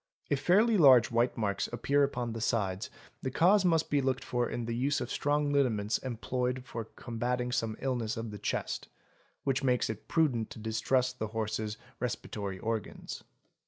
If fairly large white marks appear upon the sides the cause must be looked for in the use of strong liniments employed for combating some illness of the chest, which makes it prudent to distrust the horse's respiratory organs.